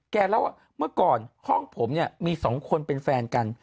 แค่เราเมื่อก่อนของผมเนี่ยมีสองคนเป็นแฟนกัน